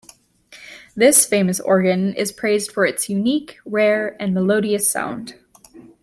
This famous organ is praised for its unique, rare, and melodious sound.